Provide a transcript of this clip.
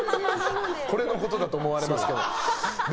これのことだと思われますけど。